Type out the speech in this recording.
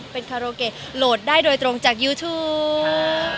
เป็นคาโรเกะโหลดได้โดยตรงจากยูทูป